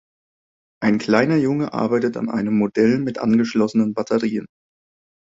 Ein kleiner Junge arbeitet an einem Modell mit angeschlossenen Batterien.